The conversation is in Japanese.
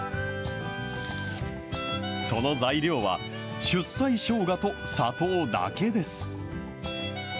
その材料は、出西しょうがと砂糖だけです。